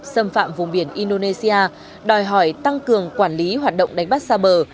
xâm phạm vùng biển indonesia đòi hỏi tăng cường quản lý hoạt động đánh bắt xa bờ